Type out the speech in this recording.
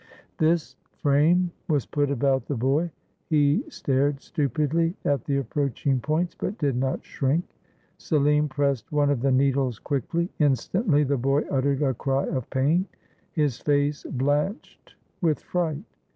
This frame was put about the boy. He stared stupidly at the ap proaching points, but did not shrink. Selim pressed one of the needles quickly. Instantly the boy uttered a cry of pain. His face blanched with fright.